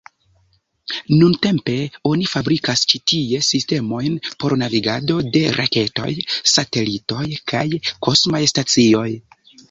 Nuntempe oni fabrikas ĉi tie sistemojn por navigado de raketoj, satelitoj kaj kosmaj stacioj.